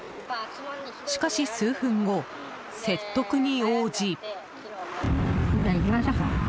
しかし数分後、説得に応じ。